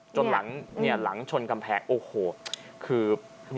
จนหลังเนี่ยหลังชนกำแพงโอ้โหคือเนี่ยครับ